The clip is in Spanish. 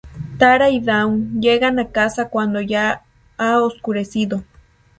Tara y Dawn llegan a casa cuando ya ha oscurecido.